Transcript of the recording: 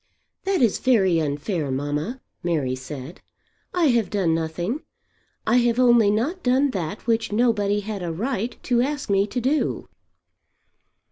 "That is very unfair, mamma," Mary said. "I have done nothing. I have only not done that which nobody had a right to ask me to do."